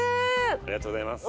ありがとうございます。